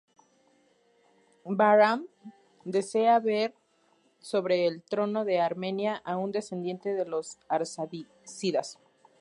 Bahram desea ver sobre el trono de Armenia a un descendiente de los arsácidas.